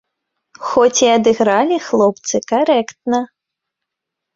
Хоць і адыгралі хлопцы карэктна.